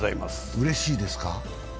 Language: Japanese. うれしいですか？